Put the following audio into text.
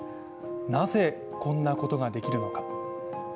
なぜこんなことができるのか。